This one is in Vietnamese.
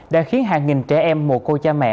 đã khiến hàng nghìn trẻ em mồ cô cha mẹ